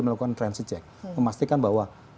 melakukan transit check memastikan bahwa